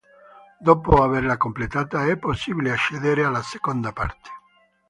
Dopo averla completata, è possibile accedere alla seconda parte.